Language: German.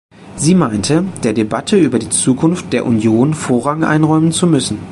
Sie meinte, der Debatte über die Zukunft der Union Vorrang einräumen zu müssen.